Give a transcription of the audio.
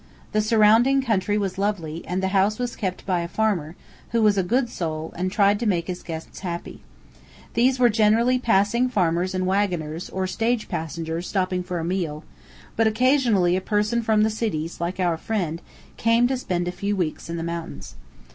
The surrounding country was lovely, and the house was kept by a farmer, who was a good soul, and tried to make his guests happy. These were generally passing farmers and wagoners, or stage passengers, stopping for a meal, but occasionally a person from the cities, like our friend, came to spend a few weeks in the mountains.